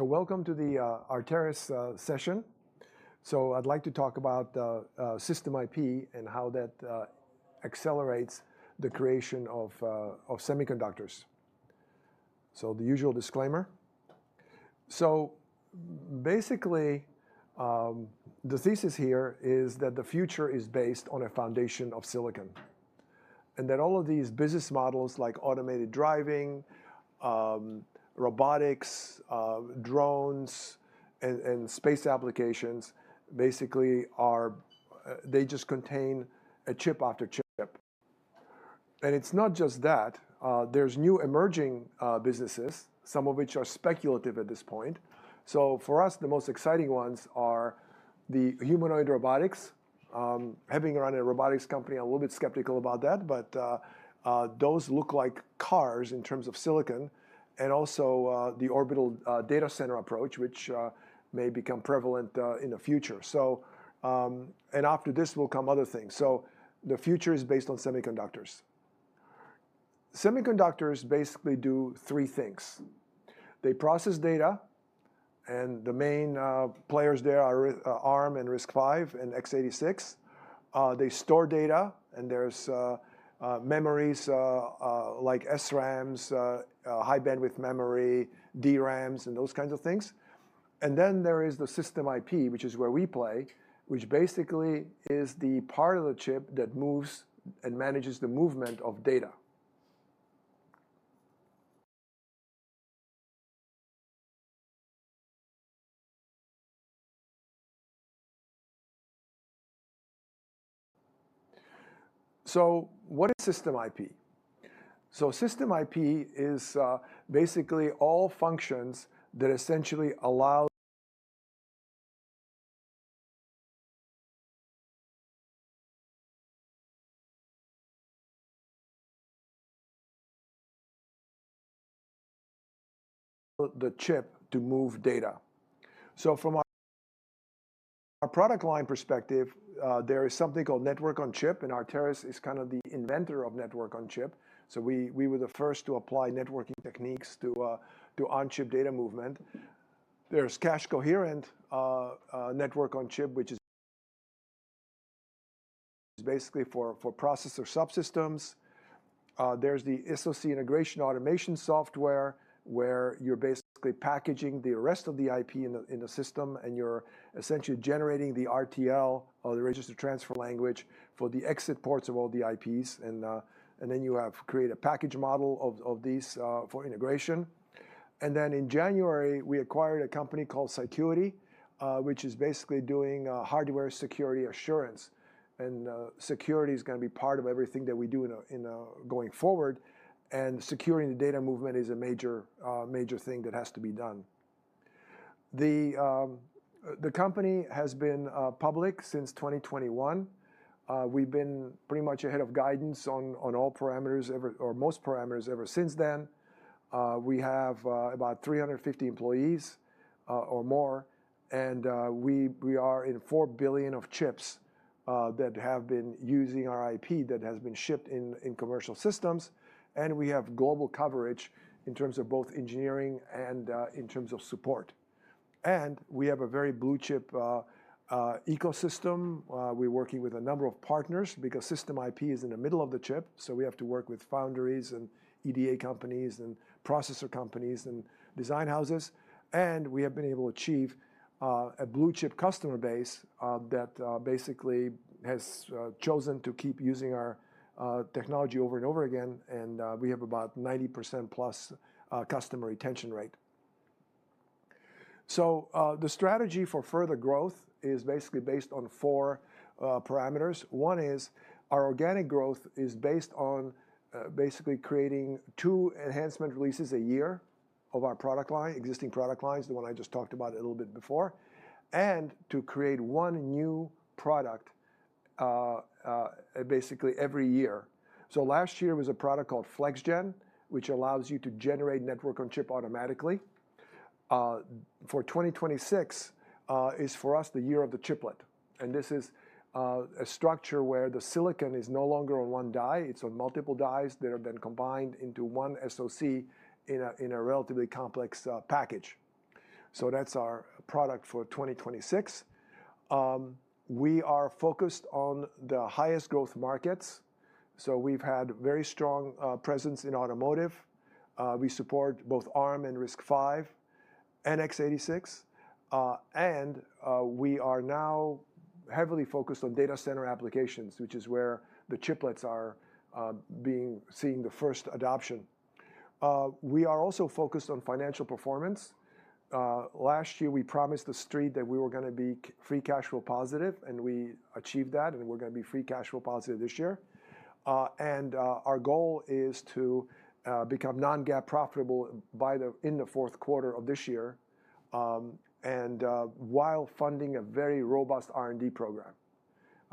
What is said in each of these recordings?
Welcome to the Arteris session. I'd like to talk about system IP and how that accelerates the creation of semiconductors. The usual disclaimer. Basically, the thesis here is that the future is based on a foundation of silicon, and that all of these business models like automated driving, robotics, drones, and space applications basically just contain chip after chip. It's not just that. There's new emerging businesses, some of which are speculative at this point. For us, the most exciting ones are the humanoid robotics. Having run a robotics company, I'm a little bit skeptical about that, but those look like cars in terms of silicon, and also the orbital data center approach, which may become prevalent in the future. After this will come other things. The future is based on semiconductors. Semiconductors basically do three things. They process data. The main players there are Arm and RISC-V and x86. They store data. There's memories like SRAMs, high-bandwidth memory, DRAMs, and those kinds of things. There is the system IP, which is where we play, which basically is the part of the chip that moves and manages the movement of data. What is system IP? System IP is basically all functions that essentially allow the chip to move data. From our product line perspective, there is something called network-on-chip, and Arteris is kind of the inventor of network-on-chip. We were the first to apply networking techniques to on-chip data movement. There's cache-coherent network-on-chip, which is basically for processor subsystems. There's the SoC integration automation software, where you're basically packaging the rest of the IP in the system, and you're essentially generating the RTL or the Register Transfer Language for the exit ports of all the IPs, then you create a package model of these for integration. In January, we acquired a company called Cycuity which is basically doing hardware security assurance, and security is going to be part of everything that we do going forward. Securing the data movement is a major thing that has to be done. The company has been public since 2021. We've been pretty much ahead of guidance on all parameters or most parameters ever since then. We have about 350 employees or more. We are in 4 billion of chips that have been using our IP that has been shipped in commercial systems. We have global coverage in terms of both engineering and in terms of support. We have a very blue-chip ecosystem. We're working with a number of partners because system IP is in the middle of the chip, so we have to work with foundries and EDA companies and processor companies and design houses. We have been able to achieve a blue-chip customer base that basically has chosen to keep using our technology over and over again, and we have about 90%+ customer retention rate. The strategy for further growth is basically based on four parameters. One is our organic growth is based on basically creating two enhancement releases a year of our existing product lines, the one I just talked about a little bit before, and to create one new product basically every year. Last year was a product called FlexGen, which allows you to generate network-on-chip automatically. For 2026 is for us the year of the chiplet, this is a structure where the silicon is no longer on one die. It's on multiple dies that have been combined into one SoC in a relatively complex package. That's our product for 2026. We are focused on the highest growth markets, we've had very strong presence in automotive. We support both Arm and RISC-V and x86, we are now heavily focused on data center applications, which is where the chiplets are seeing the first adoption. We are also focused on financial performance. Last year, we promised the Street that we were going to be free cash flow positive, and we achieved that, and we're going to be free cash flow positive this year. Our goal is to become non-GAAP profitable in the fourth quarter of this year while funding a very robust R&D program.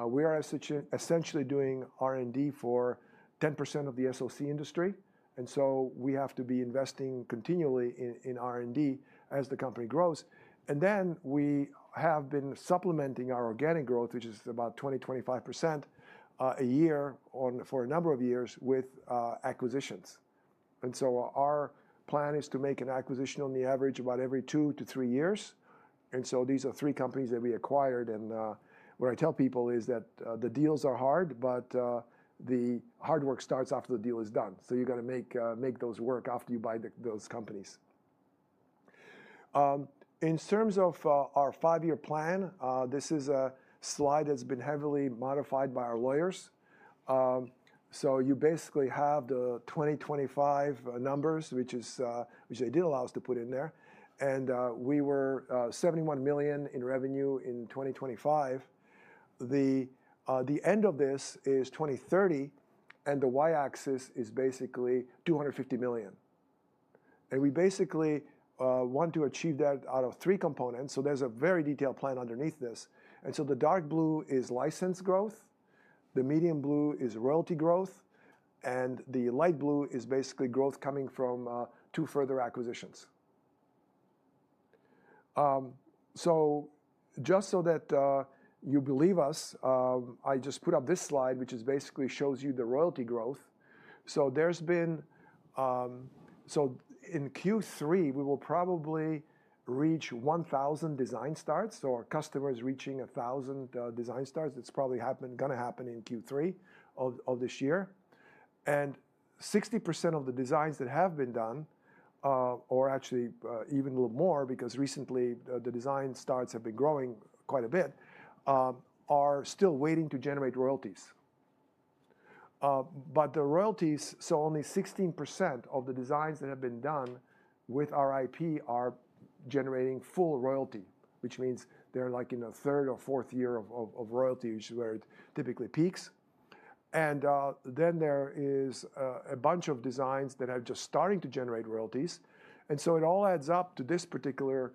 We are essentially doing R&D for 10% of the SoC industry. We have to be investing continually in R&D as the company grows. We have been supplementing our organic growth, which is about 20%-25% a year for a number of years with acquisitions. Our plan is to make an acquisition on the average about every two to three years. These are three companies that we acquired, and what I tell people is that the deals are hard, but the hard work starts after the deal is done. You've got to make those work after you buy those companies. In terms of our five year plan, this is a slide that's been heavily modified by our lawyers. You basically have the 2025 numbers, which they did allow us to put in there, and we were $71 million in revenue in 2025. The end of this is 2030, and the Y-axis is basically $250 million. We basically want to achieve that out of three components, so there's a very detailed plan underneath this. The dark blue is license growth, the medium blue is royalty growth, and the light blue is basically growth coming from two further acquisitions. Just so that you believe us, I just put up this slide, which basically shows you the royalty growth. In Q3, we will probably reach 1,000 design starts. Our customers reaching 1,000 design starts, it's probably going to happen in Q3 of this year. 60% of the designs that have been done or actually even a little more because recently the design starts have been growing quite a bit, are still waiting to generate royalties. The royalties, only 16% of the designs that have been done with our IP are generating full royalty, which means they're like in the third or fourth year of royalty, which is where it typically peaks. There is a bunch of designs that are just starting to generate royalties. It all adds up to this particular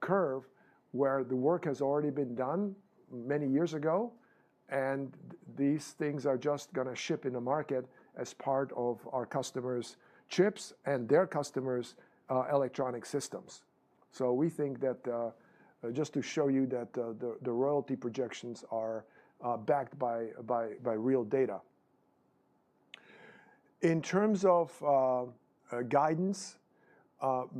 curve where the work has already been done many years ago, and these things are just going to ship in the market as part of our customers' chips and their customers' electronic systems. We think that just to show you that the royalty projections are backed by real data. In terms of guidance,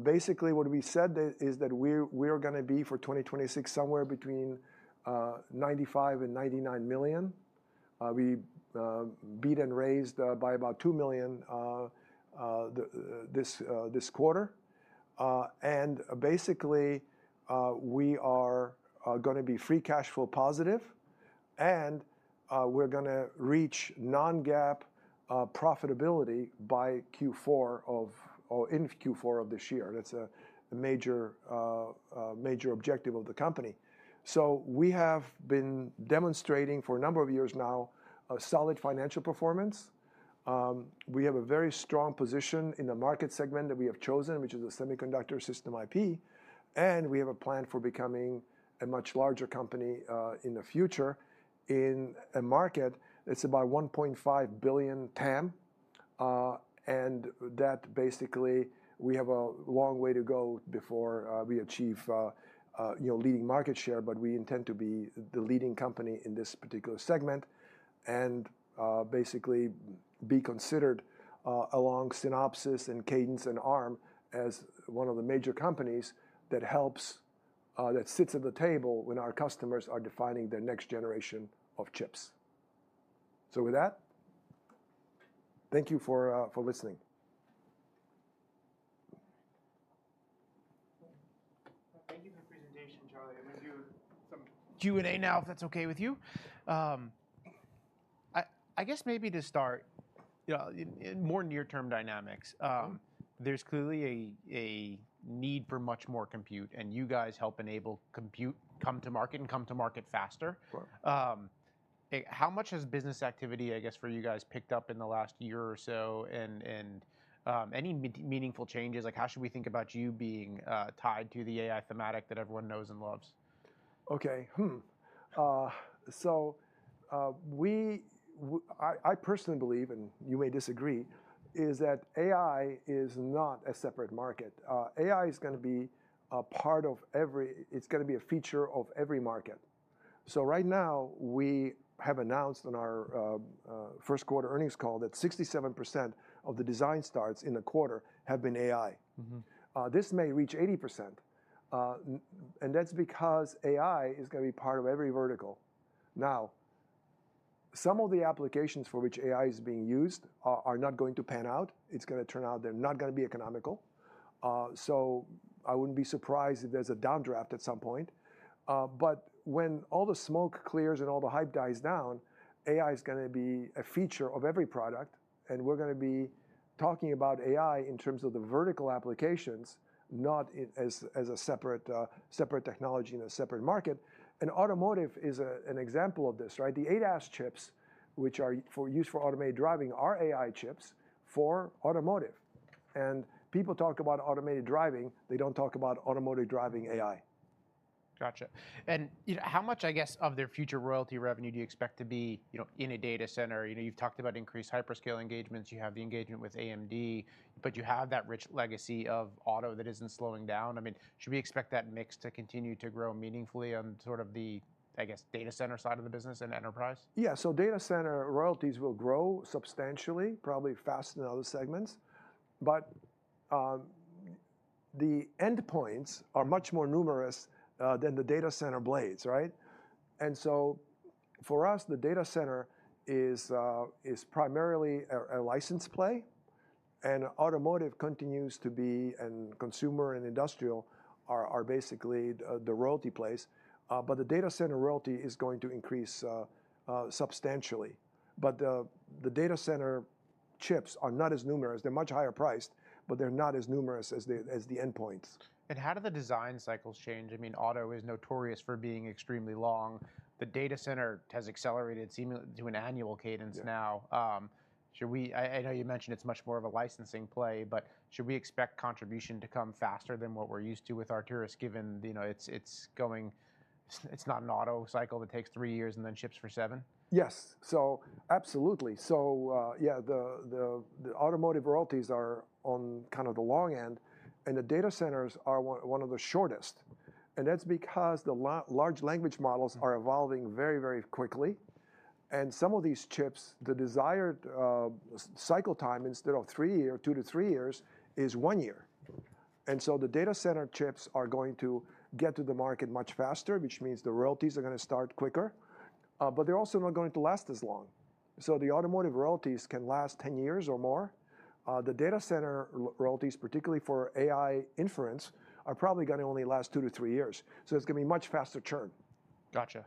basically what we said is that we're going to be for 2026 somewhere between $95 million and $99 million. We beat and raised by about $2 million this quarter. Basically, we are going to be free cash flow positive, and we're going to reach non-GAAP profitability in Q4 of this year. That's a major objective of the company. We have been demonstrating for a number of years now a solid financial performance. We have a very strong position in the market segment that we have chosen, which is a semiconductor system IP, and we have a plan for becoming a much larger company in the future in a market that's about $1.5 billion TAM. That basically we have a long way to go before we achieve leading market share, but we intend to be the leading company in this particular segment and basically be considered along Synopsys and Cadence and Arm as one of the major companies that sits at the table when our customers are defining their next generation of chips. So with that, thank you for listening. Q&A now if that's okay with you. I guess maybe to start in more near-term dynamics. There's clearly a need for much more compute and you guys help enable compute come to market and come to market faster. Sure. How much has business activity, I guess for you guys, picked up in the last year or so and any meaningful changes? How should we think about you being tied to the AI thematic that everyone knows and loves? Okay. I personally believe, and you may disagree, is that AI is not a separate market. AI is going to be a feature of every market. Right now we have announced on our first quarter earnings call that 67% of the design starts in the quarter have been AI. This may reach 80%, and that's because AI is going to be part of every vertical. Now, some of the applications for which AI is being used are not going to pan out. It's going to turn out they're not going to be economical. I wouldn't be surprised if there's a downdraft at some point. When all the smoke clears and all the hype dies down, AI is going to be a feature of every product, and we're going to be talking about AI in terms of the vertical applications, not as a separate technology and a separate market. Automotive is an example of this, right? The ADAS chips, which are for use for automated driving, are AI chips for automotive. People talk about automated driving, they don't talk about automotive driving AI. Got you. How much, I guess, of their future royalty revenue do you expect to be in a data center? You've talked about increased hyperscale engagements. You have the engagement with AMD, but you have that rich legacy of auto that isn't slowing down. Should we expect that mix to continue to grow meaningfully on sort of the, I guess, data center side of the business and enterprise? Yeah. Data center royalties will grow substantially, probably faster than other segments. The endpoints are much more numerous than the data center blades, right? For us, the data center is primarily a license play, and automotive continues to be, and consumer and industrial are basically the royalty plays. The data center royalty is going to increase substantially. The data center chips are not as numerous. They're much higher priced, but they're not as numerous as the endpoints. How do the design cycles change? Auto is notorious for being extremely long. The data center has accelerated to an annual cadence now. Yeah. I know you mentioned it's much more of a licensing play, but should we expect contribution to come faster than what we're used to with Arteris, given it's not an auto cycle that takes three years and then ships for seven? Yes. Absolutely. Yeah, the automotive royalties are on the long end. The data centers are one of the shortest. That's because the large language models are evolving very quickly, and some of these chips, the desired cycle time, instead of two to three years, is one year. The data center chips are going to get to the market much faster, which means the royalties are going to start quicker. They're also not going to last as long. The automotive royalties can last 10 years or more. The data center royalties, particularly for AI inference, are probably going to only last two to three years. It's going to be much faster churn. Got you.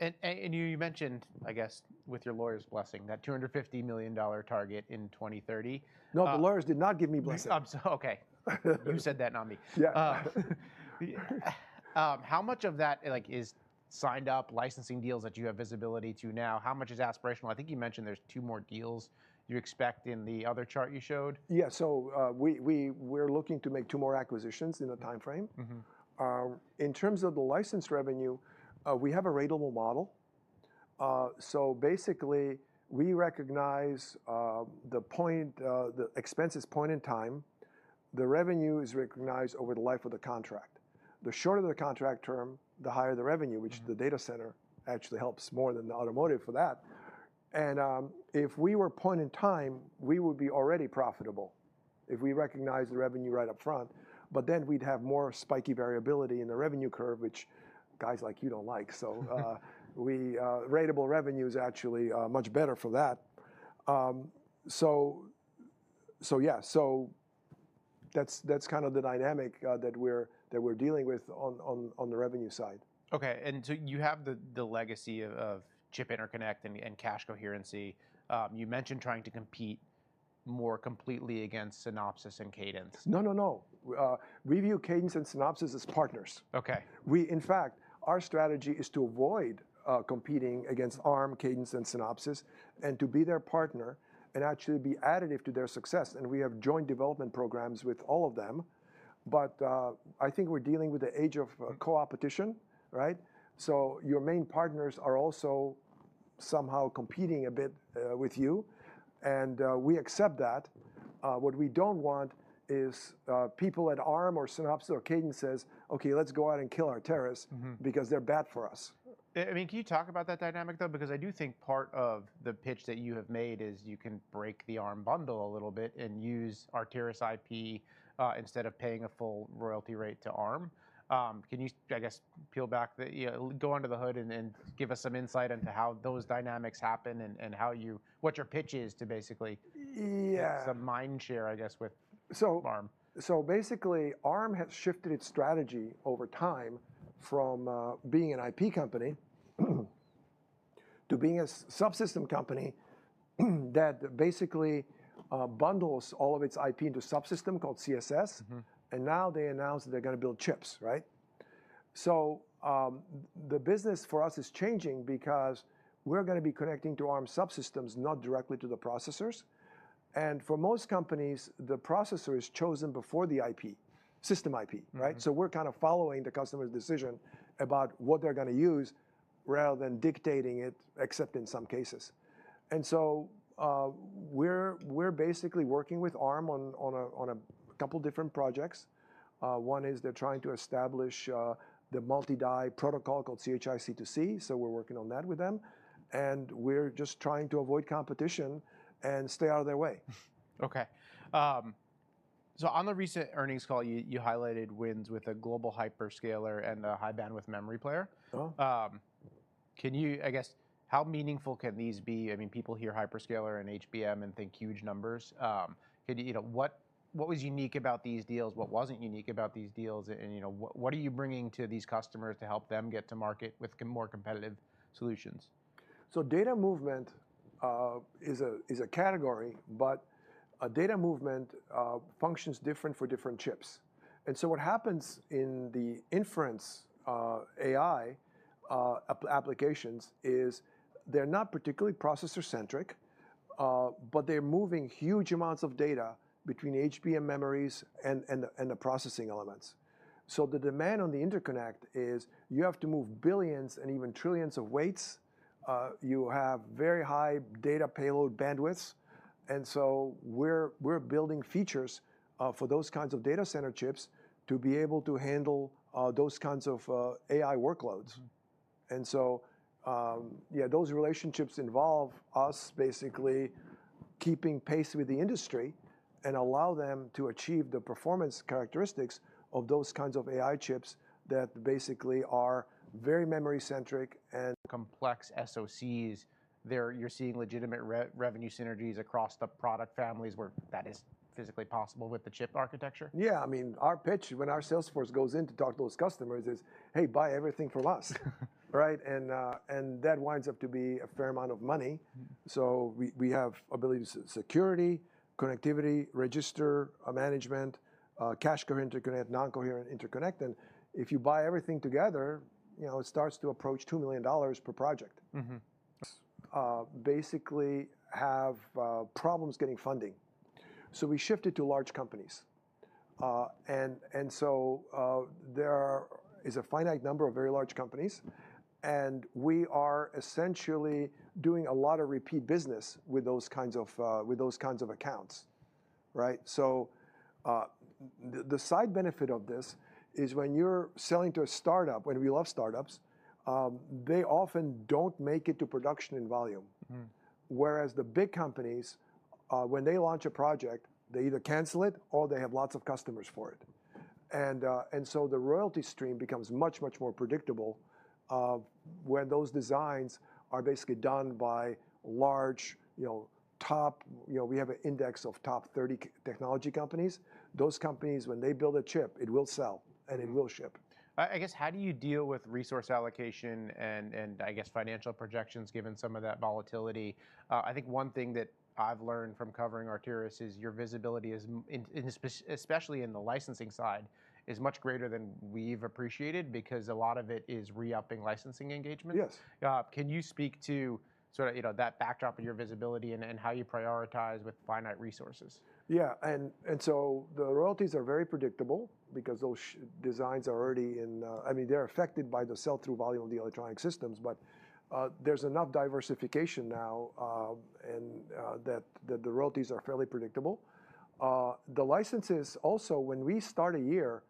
You mentioned, I guess with your lawyer's blessing, that $250 million target in 2030. No, the lawyers did not give me blessing. Okay. You said that, not me. Yeah. How much of that is signed-up licensing deals that you have visibility to now? How much is aspirational? I think you mentioned there's two more deals you expect in the other chart you showed. Yeah, we're looking to make two more acquisitions in the timeframe. In terms of the license revenue, we have a ratable model. Basically, we recognize the expenses point in time. The revenue is recognized over the life of the contract. The shorter the contract term, the higher the revenue, which the data center actually helps more than the automotive for that. If we were point in time, we would be already profitable if we recognized the revenue right up front, but then we'd have more spiky variability in the revenue curve, which guys like you don't like. Ratable revenue is actually much better for that. Yeah, that's kind of the dynamic that we're dealing with on the revenue side. Okay. You have the legacy of chip interconnect and cache coherency. You mentioned trying to compete more completely against Synopsys and Cadence. No. We view Cadence and Synopsys as partners. Okay. In fact, our strategy is to avoid competing against Arm, Cadence, and Synopsys and to be their partner and actually be additive to their success, and we have joint development programs with all of them. I think we're dealing with the age of co-opetition, right? Your main partners are also somehow competing a bit with you, and we accept that. What we don't want is people at Arm or Synopsys or Cadence says, "Okay, let's go out and kill Arteris because they're bad for us." Can you talk about that dynamic, though? Because I do think part of the pitch that you have made is you can break the Arm bundle a little bit and use Arteris IP instead of paying a full royalty rate to Arm. Can you, I guess, go under the hood and give us some insight into how those dynamics happen and what your pitch is to- Yeah. Get some mind share, I guess, with Arm? Basically, Arm has shifted its strategy over time from being an IP company to being a subsystem company that basically bundles all of its IP into subsystem called CSS. Now they announced that they're going to build chips, right? The business for us is changing because we're going to be connecting to Arm subsystems, not directly to the processors. For most companies, the processor is chosen before the system IP, right? We're kind of following the customer's decision about what they're going to use rather than dictating it, except in some cases. We're basically working with Arm on a couple different projects. One is they're trying to establish the multi-die protocol called CHI C2C, so we're working on that with them, and we're just trying to avoid competition and stay out of their way. Okay. On the recent earnings call, you highlighted wins with a global hyperscaler and a high-bandwidth memory player. How meaningful can these be? People hear hyperscaler and HBM and think huge numbers. What was unique about these deals? What wasn't unique about these deals? What are you bringing to these customers to help them get to market with more competitive solutions? Data movement is a category, data movement functions different for different chips. What happens in the inference AI applications is they're not particularly processor-centric, but they're moving huge amounts of data between HBM memories and the processing elements. The demand on the interconnect is you have to move billions and even trillions of weights. You have very high data payload bandwidths, we're building features for those kinds of data center chips to be able to handle those kinds of AI workloads. Yeah, those relationships involve us basically keeping pace with the industry and allow them to achieve the performance characteristics of those kinds of AI chips that basically are very memory-centric. Complex SoCs, you're seeing legitimate revenue synergies across the product families where that is physically possible with the chip architecture? Yeah. Our pitch when our sales force goes in to talk to those customers is, "Hey, buy everything from us." Right? That winds up to be a fair amount of money. We have abilities, security, connectivity, register management, cache coherent interconnect, non-coherent interconnect, and if you buy everything together, it starts to approach $2 million per project. Basically have problems getting funding, we shifted to large companies. There is a finite number of very large companies, and we are essentially doing a lot of repeat business with those kinds of accounts, right? The side benefit of this is when you're selling to a startup, and we love startups, they often don't make it to production in volume. Whereas the big companies, when they launch a project, they either cancel it or they have lots of customers for it. The royalty stream becomes much, much more predictable when those designs are basically done by large. We have an index of top 30 technology companies. Those companies, when they build a chip, it will sell, and it will ship. I guess, how do you deal with resource allocation and I guess, financial projections given some of that volatility? I think one thing that I've learned from covering Arteris is your visibility, especially in the licensing side, is much greater than we've appreciated because a lot of it is re-upping licensing engagements. Yes. Can you speak to that backdrop of your visibility and how you prioritize with finite resources? Yeah. The royalties are very predictable because those designs are already in. They're affected by the sell-through volume of the electronic systems, but there's enough diversification now, and that the royalties are fairly predictable. The licenses also, when we start a year,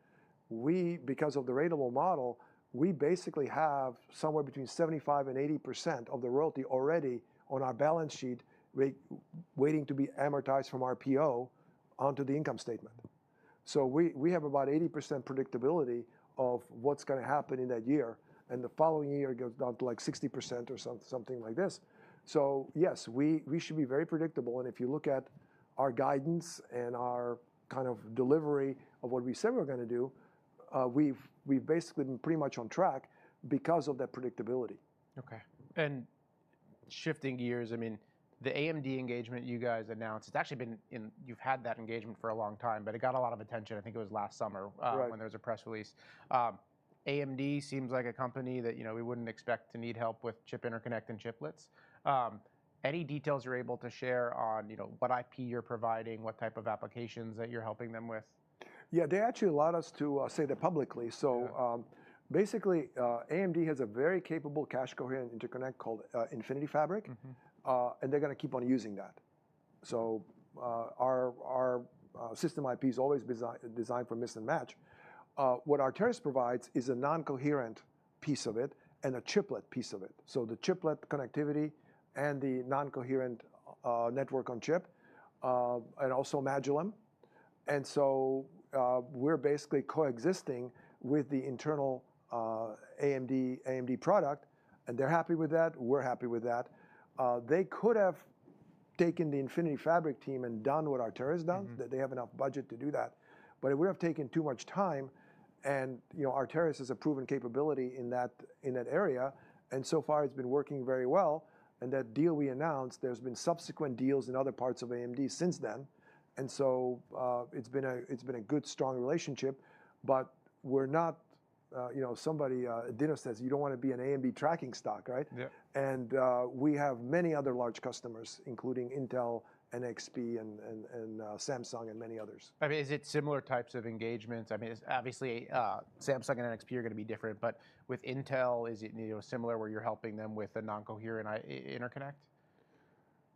because of the ratable model, we basically have somewhere between 75% and 80% of the royalty already on our balance sheet waiting to be amortized from RPO onto the income statement. We have about 80% predictability of what's going to happen in that year, and the following year it goes down to like 60% or something like this. Yes, we should be very predictable, and if you look at our guidance and our kind of delivery of what we said we're going to do, we've basically been pretty much on track because of that predictability. Okay. Shifting gears, the AMD engagement you guys announced, you've had that engagement for a long time, but it got a lot of attention, I think it was last summer- Right. When there was a press release. AMD seems like a company that we wouldn't expect to need help with chip interconnect and chiplets. Any details you're able to share on what IP you're providing, what type of applications that you're helping them with? Yeah, they actually allowed us to say that publicly. Yeah. Basically, AMD has a very capable cache-coherent interconnect called Infinity Fabric. They're going to keep on using that. Our system IP is always designed for mix and match. What Arteris provides is a non-coherent piece of it and a chiplet piece of it, so the chiplet connectivity and the non-coherent network-on-chip, and also Magillem. We're basically coexisting with the internal AMD product, and they're happy with that, we're happy with that. They could have taken the Infinity Fabric team and done what Arteris done. They have enough budget to do that, but it would've taken too much time, and Arteris has a proven capability in that area, and so far it's been working very well. That deal we announced, there's been subsequent deals in other parts of AMD since then, and so it's been a good, strong relationship. Somebody at Dinner says you don't want to be an AMD tracking stock, right? Yeah. We have many other large customers, including Intel, NXP, and Samsung, and many others. Is it similar types of engagements? Obviously, Samsung and NXP are going to be different, but with Intel, is it similar where you're helping them with a non-coherent interconnect?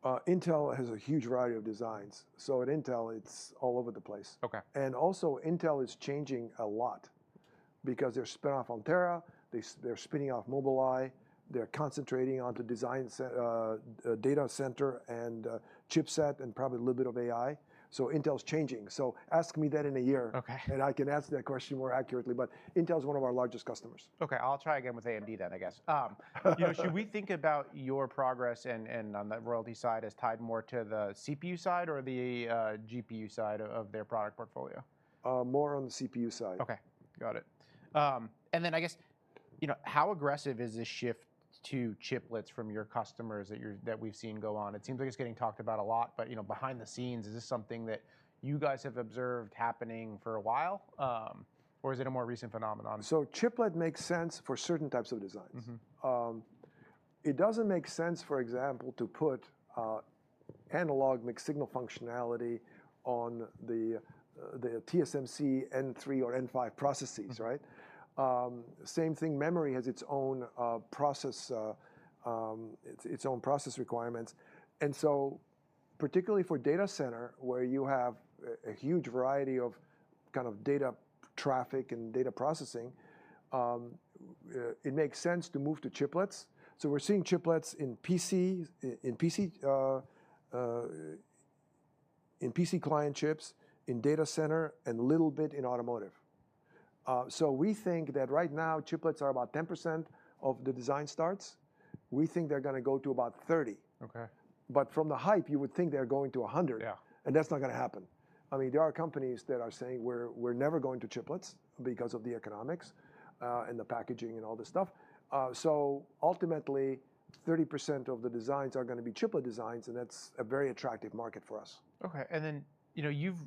Intel has a huge variety of designs. At Intel, it's all over the place. Okay. Also, Intel is changing a lot because they're spinning off Altera, they're spinning off Mobileye, they're concentrating onto design data center and chipset and probably a little bit of AI. Intel's changing, ask me then in a year. Okay. I can answer that question more accurately, but Intel's one of our largest customers. Okay. I'll try again with AMD then, I guess. Should we think about your progress and on that royalty side as tied more to the CPU side or the GPU side of their product portfolio? More on the CPU side. Okay. Got it. I guess, how aggressive is this shift to chiplets from your customers that we've seen go on? It seems like it's getting talked about a lot, but behind the scenes, is this something that you guys have observed happening for a while or is it a more recent phenomenon? So chiplet makes sense for certain types of designs. It doesn't make sense, for example, to put analog mixed signal functionality on the TSMC N3 or N5 processes, right? Same thing, memory has its own process requirements. Particularly for data center, where you have a huge variety of data traffic and data processing, it makes sense to move to chiplets. We're seeing chiplets in PC client chips, in data center, and little bit in automotive. We think that right now chiplets are about 10% of the design starts. We think they're going to go to about 30%. Okay. From the hype, you would think they're going to 100%. Yeah. That's not going to happen. There are companies that are saying we're never going to chiplets because of the economics, and the packaging, and all this stuff. Ultimately, 30% of the designs are going to be chiplet designs, and that's a very attractive market for us. Okay. You've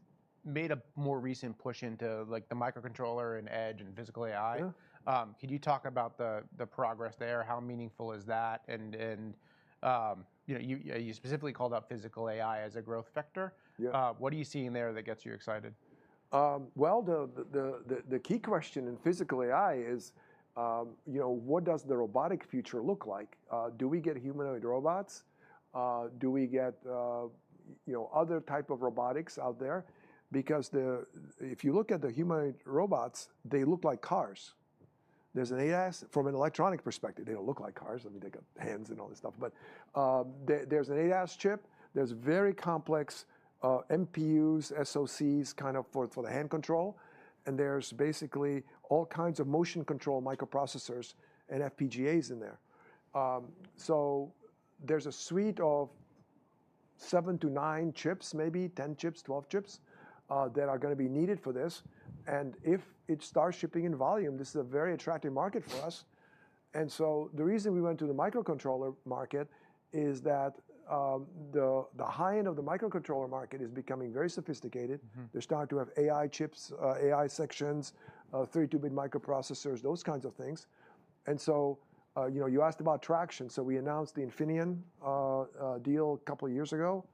made a more recent push into the microcontroller and edge and physical AI. Yeah. Could you talk about the progress there? How meaningful is that? You specifically called out physical AI as a growth vector. Yeah. What are you seeing there that gets you excited? The key question in physical AI is what does the robotic future look like. Do we get humanoid robots? Do we get other type of robotics out there? Because if you look at the humanoid robots, they look like cars. From an electronic perspective, they don't look like cars. I mean, they got hands and all this stuff, but there's an ADAS chip. There's very complex MPUs, SoCs kind of for the hand control, and there's basically all kinds of motion control microprocessors and FPGAs in there. There's a suite of seven to nine chips, maybe 10 chips, 12 chips, that are going to be needed for this. If it starts shipping in volume, this is a very attractive market for us. The reason we went to the microcontroller market is that the high-end of the microcontroller market is becoming very sophisticated. They're starting to have AI chips, AI sections, 32 bit microprocessors, those kinds of things. You asked about traction, we announced the Infineon deal a couple of years ago.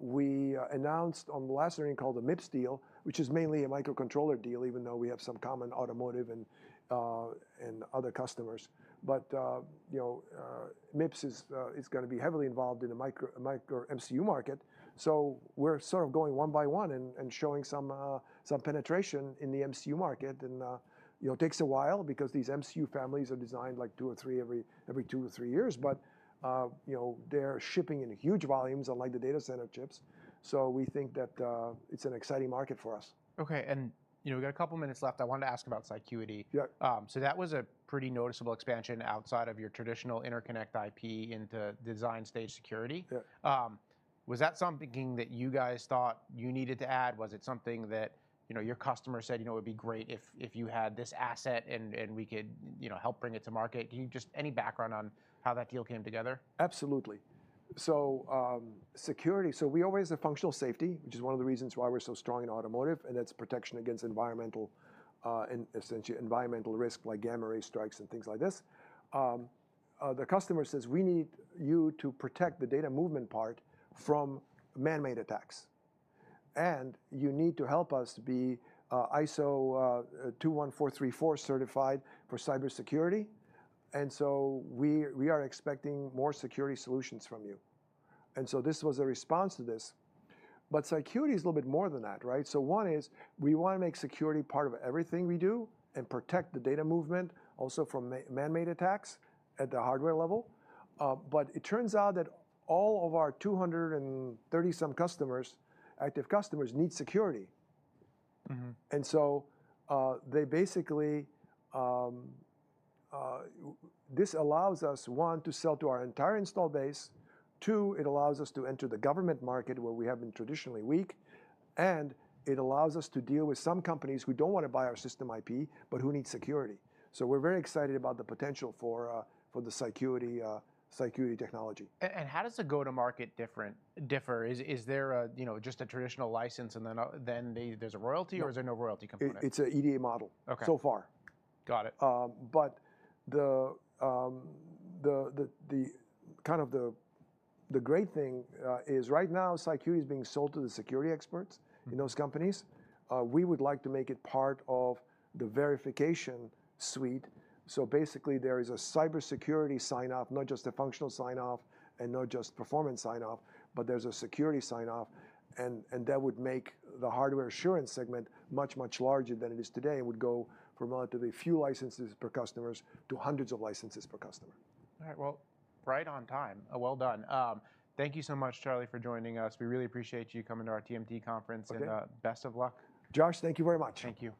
We announced on the last earning call the MIPS deal, which is mainly a microcontroller deal, even though we have some common automotive and other customers. MIPS is going to be heavily involved in the MCU market. We're sort of going one by one and showing some penetration in the MCU market, and it takes a while because these MCU families are designed every two or three years. They're shipping in huge volumes, unlike the data center chips. We think that it's an exciting market for us. Okay. We got a couple of minutes left. I wanted to ask about Cycuity. Yeah. That was a pretty noticeable expansion outside of your traditional interconnect IP into design stage security. Yeah. Was that something that you guys thought you needed to add? Was it something that your customer said, "It would be great if you had this asset, and we could help bring it to market"? Any background on how that deal came together? Absolutely. Security, we always have functional safety, which is one of the reasons why we're so strong in automotive, and that's protection against environmental risk, like gamma ray strikes and things like this. The customer says we need you to protect the data movement part from man-made attacks. You need to help us be ISO 21434 certified for cybersecurity, we are expecting more security solutions from you. This was a response to this. Cycuity is a little bit more than that. One is we want to make security part of everything we do and protect the data movement also from man-made attacks at the hardware level. It turns out that all of our 230 some customers, active customers, need security. They basically, this allows us, one, to sell to our entire install base. Two, it allows us to enter the government market where we have been traditionally weak, and it allows us to deal with some companies who don't want to buy our system IP but who need security. We're very excited about the potential for the Cycuity technology. How does the go-to-market differ? Is there just a traditional license and then there's a royalty- No. Is there no royalty component? It's an EDA model- Okay. So far. Got it. The great thing is right now Cycuity is being sold to the security experts in those companies. We would like to make it part of the verification suite. So basically there is a cybersecurity sign-off, not just a functional sign-off, and not just performance sign-off, but there's a security sign-off, and that would make the hardware assurance segment much, much larger than it is today, and would go from relatively few licenses per customers to hundreds of licenses per customer. All right. Well, right on time. Well done. Thank you so much, Charlie, for joining us. We really appreciate you coming to our TMT conference- Okay. Best of luck. Josh, thank you very much. Thank you.